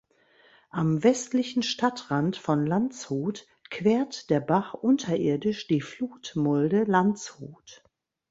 Am westlichen Stadtrand von Landshut quert der Bach unterirdisch die Flutmulde Landshut.